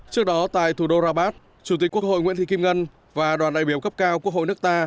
trước đó tại thủ đô rabat chủ tịch quốc hội nguyễn thị kim ngân và đoàn đại biểu cấp cao quốc hội nước ta